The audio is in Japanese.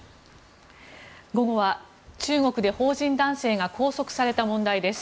午後は中国で邦人男性が拘束された問題です。